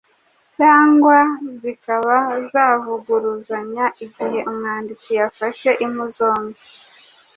cyangwa zikaba zavuguruzanya igihe umwanditsi yafashe impu zombi.